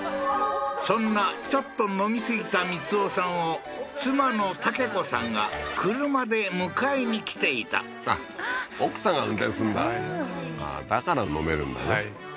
そんなちょっと飲みすぎた光夫さんを妻のたけ子さんが車で迎えに来ていたあっ奥さんが運転すんだだから飲めるんだね